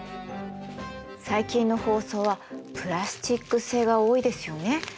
最近の包装はプラスチック製が多いですよね。